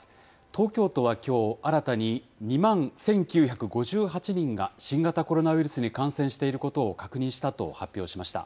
東京都はきょう、新たに２万１９５８人が新型コロナウイルスに感染していることを確認したと発表しました。